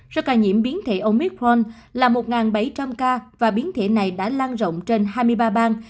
số ca nhiễm biến thể omithron là một bảy trăm linh ca và biến thể này đã lan rộng trên hai mươi ba bang